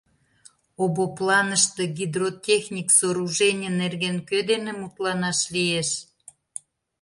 Обопланыште гидротехник сооружений нерген кӧ дене мутланаш лиеш?